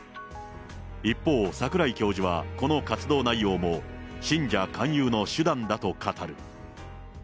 一方、櫻井教授はこの活動内容も、信者勧誘の手段だと語る。